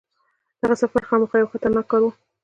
دغه سفر خامخا یو خطرناک کار وو.